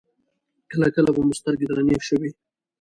کله کله به مو سترګې درنې شوې.